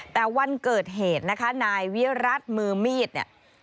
แต่วันเกิดเหตุนะคะนายวิรัติมือมีดเนี่ย